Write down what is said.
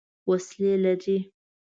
وسلې لري.